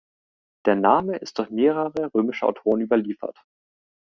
Der Name ist durch mehrere römische Autoren überliefert.